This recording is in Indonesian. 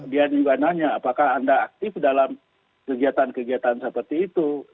dia juga nanya apakah anda aktif dalam kegiatan kegiatan seperti itu